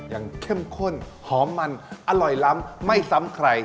เข้มข้นหอมมันอร่อยล้ำไม่ซ้ำใคร